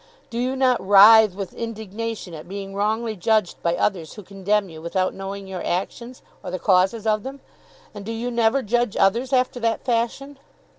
Do you not writhe with indignation at being wrongly judged by others who condemn you without knowing your actions or the causes of them; and do you never judge others after that fashion?"